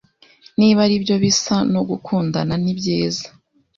Niba aribyo bisa no gukundana nibyiza